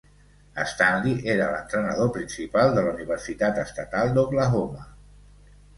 Stanley era l'entrenador principal de la Universitat Estatal d'Oklahoma.